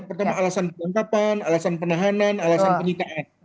pertama alasan penangkapan alasan penahanan alasan penyitaan